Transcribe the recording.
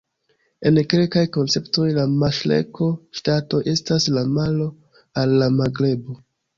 En kelkaj konceptoj la maŝreko-ŝtatoj estas la malo al la magrebo.